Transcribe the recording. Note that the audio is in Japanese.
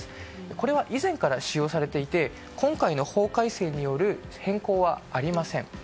これは以前から使用されていて今回の法改正による変更はありません。